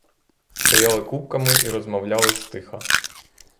Стояли купками і розмовляли стиха.